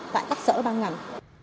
tại các sở băng ngành